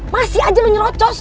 masih aja lu nyerocos